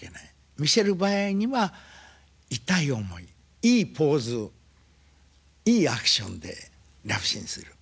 見せる場合には痛い思いいいポーズいいアクションでラブシーンする。